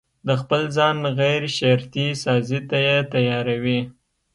د خپل ځان غيرشرطي سازي ته يې تياروي.